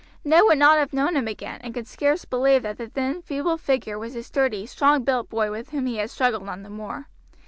Ned would not have known him again, and could scarce believe that the thin, feeble figure was the sturdy, strong built boy with whom he had struggled on the moor.